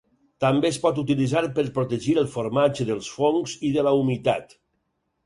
També es pot utilitzar per protegir el formatge dels fongs i de la humitat.